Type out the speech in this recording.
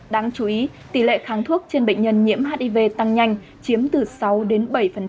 đáng chú ý tỷ lệ kháng thuốc trên bệnh nhân nhiễm hiv tăng nhanh chiếm từ sáu đến bảy